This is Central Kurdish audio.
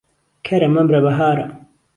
کەرە مەمرە بەهارە.